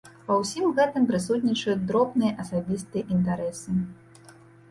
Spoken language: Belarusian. Ва ўсім гэтым прысутнічаюць дробныя асабістыя інтарэсы.